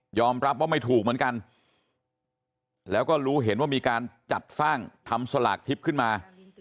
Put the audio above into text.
รับว่าไม่ถูกเหมือนกันแล้วก็รู้เห็นว่ามีการจัดสร้างทำสลากทิพย์ขึ้นมา